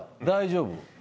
大丈夫？